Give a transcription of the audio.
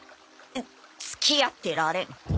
付き合ってられん。